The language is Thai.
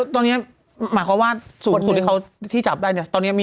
ตอนนี้หมายความว่าสูงส่วนที่พ